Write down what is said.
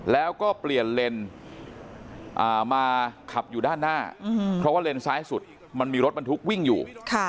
แล้วก็เปลี่ยนเลนมาขับอยู่ด้านหน้าเพราะว่าเลนซ้ายสุดมันมีรถบรรทุกวิ่งอยู่